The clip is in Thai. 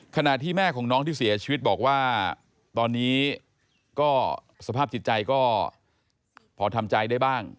ขณะที่แม่ของน้องที่เสียชีวิตบอกว่าตอนนี้ก็สภาพจิตใจก็พอทำใจได้บ้าง